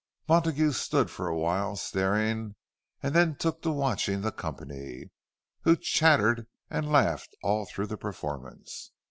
Montague stood for a while staring; and then took to watching the company, who chattered and laughed all through the performance.